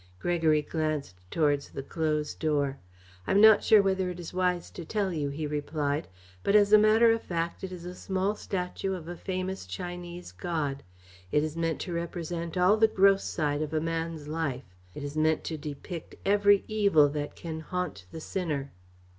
Gregory glanced towards the closed door. "I am not sure whether it is wise to tell you," he replied, "but, as a matter of fact, it is a small statue of a famous Chinese god. It is meant to represent all the gross side of a man's life. It is meant to depict every evil that can haunt the sinner."